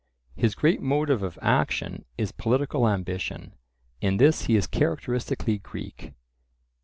His great motive of action is political ambition; in this he is characteristically Greek.